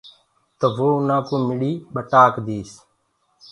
تو وو اُنآ ڪوُ مڙهيٚ ٻٽآڪ ديديس۔